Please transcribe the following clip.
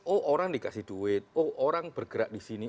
oh orang dikasih duit oh orang bergerak di sini